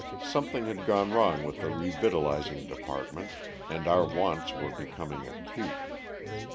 Something had gone wrong with the revictualing department and our wants were becoming acute.